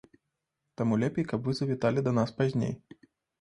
Таму лепей каб вы завіталі да нас пазней.